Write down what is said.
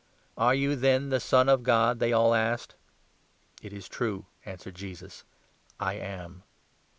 '" "Are you, then, the Son of God ?" they all asked. 70 " It is true," answered Jesus, " I am."